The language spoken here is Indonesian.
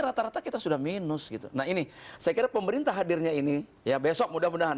rata rata kita sudah minus gitu nah ini saya kira pemerintah hadirnya ini ya besok mudah mudahan